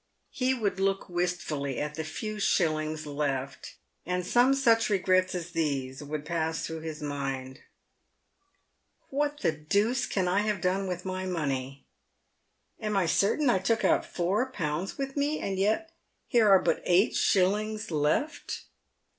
He would look wistfully at the few shillings left, and some such regrets as these would pass through his mind :" What the deuce can I have done with my money ? I am certain I took out four pounds with me, and yet here are but eight shillings left